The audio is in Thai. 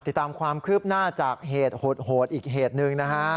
ติดตามความคืบหน้าจากเหตุโหดอีกเหตุหนึ่งนะฮะ